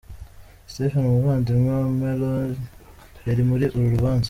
Stephen, Umuvandimwe wa Maloney yari muri uru rubanza.